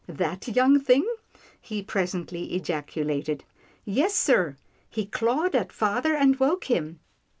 " That young thing? " he pres ently ejaculated. " Yes sir, he clawed at father and woke him.